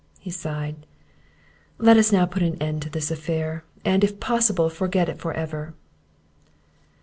He sighed. "Let us now put an end to this affair; and, if possible, forget it for ever."